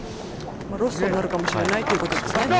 ロストになるかもしれないということですね。